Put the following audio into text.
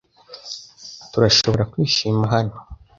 Turashobora kwishima hano .